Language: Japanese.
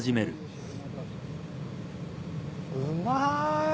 うまい。